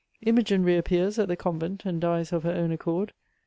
Imogine re appears at the convent, and dies of her own accord.